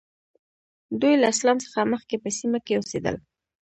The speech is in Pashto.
دوی له اسلام څخه مخکې په سیمه کې اوسېدل.